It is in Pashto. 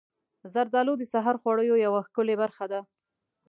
زردالو د سحر خوړو یوه ښکلې برخه ده.